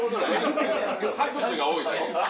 拍手が多いだけ。